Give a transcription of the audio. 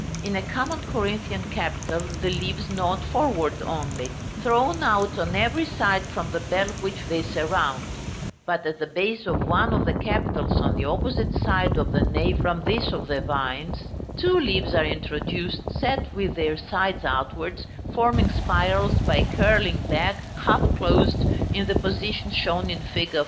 In a common Corinthian capital the leaves nod forward only, thrown out on every side from the bell which they surround: but at the base of one of the capitals on the opposite side of the nave from this of the vines, two leaves are introduced set with their sides outwards, forming spirals by curling back, half closed, in the position shown in fig.